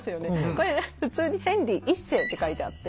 これ普通に「ヘンリー一世」って書いてあって。